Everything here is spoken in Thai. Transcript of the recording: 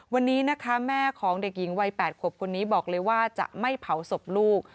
วันนี้นะคะแม่ของเด็กหญิงวัย๘ขวบคนนี้บอกเลยว่าจะไม่เผาศพลูก